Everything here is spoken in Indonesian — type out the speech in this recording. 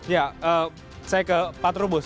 ya saya ke pak trubus